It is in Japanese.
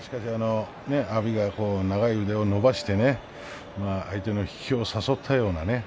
阿炎が長い腕を伸ばして相手の引きを誘った。